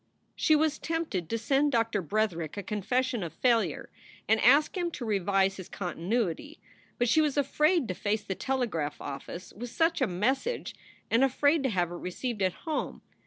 She was tempted to send Doctor Bretherick a confession of failure and ask him to revise his continuity, but she was afraid to face the telegraph office with such a message and afraid to have it received at home.